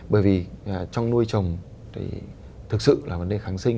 bởi vì trong nuôi trồng thì thực sự là vấn đề kháng sinh